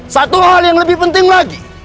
satu hal yang lebih penting lagi